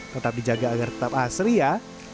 tetap dijaga agar tetap asri ya